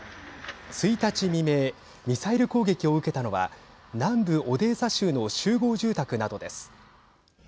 １日未明ミサイル攻撃を受けたのは南部オデーサ州の集合住宅などです。